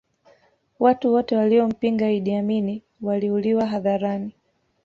watu wote waliompinga iddi amini waliuliwa hadharani